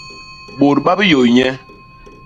Bôt ba biyôy nye.